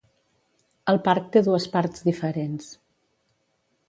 El parc té dues parts diferents.